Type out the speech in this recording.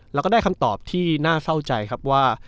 เราก็ได้คำตอบที่น่าเศร้าใจครับว่า